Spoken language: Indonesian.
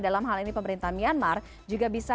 dalam hal ini pemerintah myanmar juga bisa